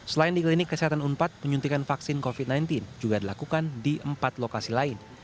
selain di klinik kesehatan unpad penyuntikan vaksin covid sembilan belas juga dilakukan di empat lokasi lain